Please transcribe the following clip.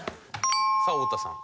さあ太田さん。